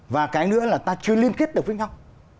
và cái nữa là ta chưa liên kết được với nhau